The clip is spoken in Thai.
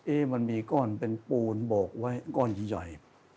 มันมีก้อนเป็นปูนโบกไว้ก้อนใหญ่